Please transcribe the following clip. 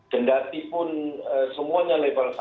kendati pun semuanya level satu